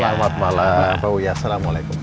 selamat malam pak uya assalamualaikum